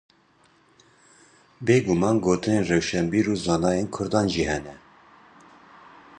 Bêguman gotinên rewşenbîr û zanayÊn kurdan jî hene.